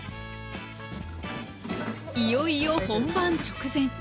いよいよ本番直前。